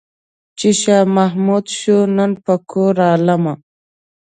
چې شاه محمود شو نن په کور عالمه.